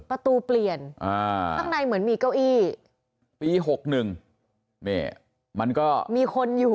ประตูเปลี่ยนอ่าข้างในเหมือนมีเก้าอี้ปีหกหนึ่งเนี้ยมันก็มีคนอยู่